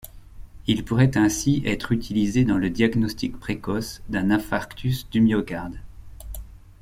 Il pourrait ainsi être utilisé dans le diagnostic précoce d'un infarctus du myocarde.